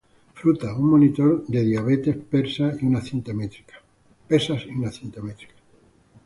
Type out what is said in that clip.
fruta, un monitor de diabetes, pesas y una cinta métrica